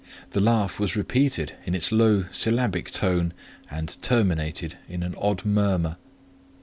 The laugh was repeated in its low, syllabic tone, and terminated in an odd murmur.